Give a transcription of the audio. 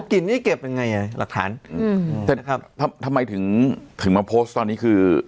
กลิ่นนี่เก็บยังไงอ่ะหลักฐานอืมแต่ครับทำไมถึงถึงมาโพสต์ตอนนี้คือ